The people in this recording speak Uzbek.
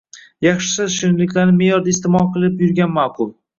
Yaxshisi, shirinliklarni me’yorida iste’mol qilib yurgan ma’qul.